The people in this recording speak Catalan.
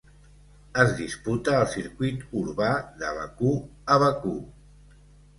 Es disputa al Circuit urbà de Bakú a Bakú.